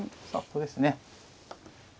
さあここですね。